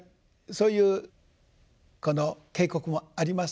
そういうこの渓谷もあります。